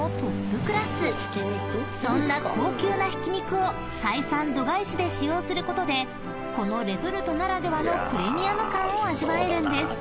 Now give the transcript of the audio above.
［そんな高級なひき肉を採算度外視で使用することでこのレトルトならではのプレミアム感を味わえるんです］